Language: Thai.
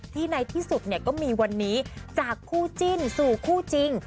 ในที่สุดเนี่ยก็มีวันนี้จากคู่จิ้นสู่คู่จริง